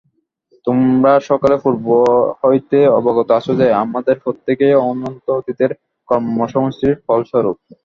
তোমরা সকলে পূর্ব হইতেই অবগত আছ যে, আমাদের প্রত্যেকেই অনন্ত অতীতের কর্মসমষ্টির ফলস্বরূপ।